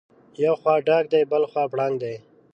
یو خوا ډاګ دی بلخوا پړانګ دی.